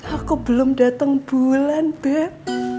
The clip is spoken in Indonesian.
aku belum datang bulan bed